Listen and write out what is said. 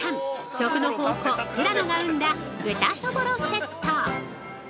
食の宝庫、富良野が生んだ豚そぼろセット。